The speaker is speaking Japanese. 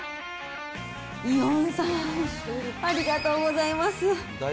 イオンさん、ありがとうございます。